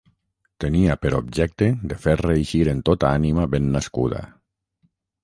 tenia per objecte de fer reeixir en tota ànima ben nascuda